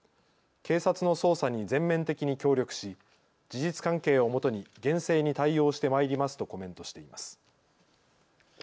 警察の捜査に全面的に協力し事実関係をもとに厳正に対応してまいりますとコメントしています。